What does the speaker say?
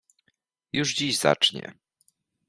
Już dziś zacznie.